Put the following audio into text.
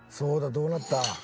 どうなった？